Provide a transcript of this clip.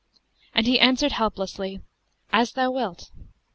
And he answered helplessly, 'As thou wilt.'